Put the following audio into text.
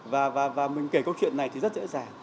và mình kể câu chuyện này thì rất dễ dàng